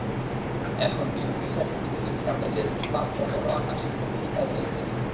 এখন ডিগ্রির সার্টিফিকেটের একটি কাগজের চোতা পনেরো আনা শিক্ষার্থীরই কাজে লাগছে না।